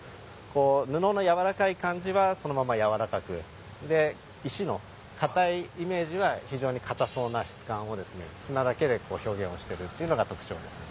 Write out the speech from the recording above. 布のやわらかい感じはそのままやわらかく石の硬いイメージは非常に硬そうな質感を砂だけで表現をしているっていうのが特徴ですね。